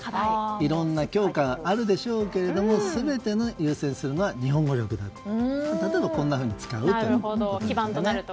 いろんな教科があるでしょうけれども全て優先するのは日本語力だと例えば、こんなふうに使うとか。